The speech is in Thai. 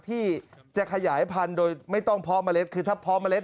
ที่จะขยายพันธุ์โดยไม่ต้องเพาะเมล็ดคือถ้าเพาะเมล็